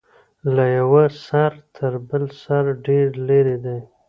له یوه سر تر بل سر ډیر لرې دی.